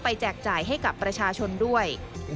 แจกจ่ายให้กับประชาชนด้วย